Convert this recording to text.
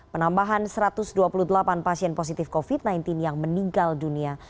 penambahan satu ratus dua puluh delapan pasien positif covid sembilan belas yang meninggal dunia